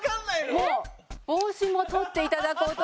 もう帽子も取っていただこうと思います。